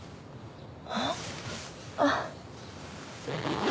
あっ。